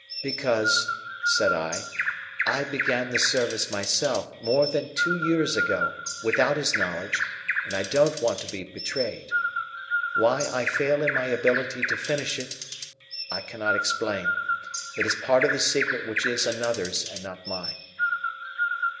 "Because," said I, "I began the service myself, more than two years ago, without his knowledge, and I don't want to be betrayed. Why I fail in my ability to finish it, I cannot explain. It is a part of the secret which is another person's and not mine."